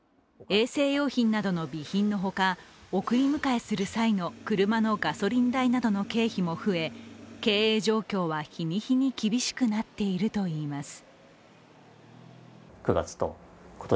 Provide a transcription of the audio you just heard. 衛生用品などの備品のほか、送り迎えする際の車のガソリン代などの経費も増え経営状況は日に日に厳しくなっているといいます。